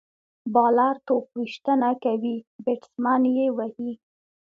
بالر توپ ویشتنه کوي، بیټسمېن يې وهي.